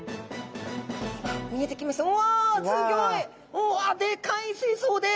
おわっでかい水槽です！